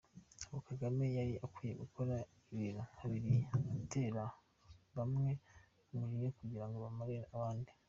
Ntabwo Kagame yari akwiye gukora ikintu nka kiriya, atera bamwe umujinya kugirango bamare abandi !